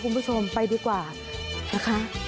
คุณผู้ชมไปดีกว่านะคะ